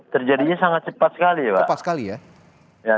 terjadinya sangat cepat sekali ya pak